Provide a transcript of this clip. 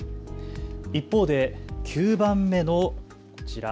一方で９番目のこちら。